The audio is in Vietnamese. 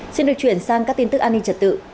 xin được chuyển sang các tin tức an ninh trật tự